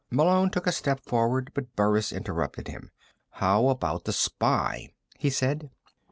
Malone took a step forward, but Burris interrupted him. "How about the spy?" he said.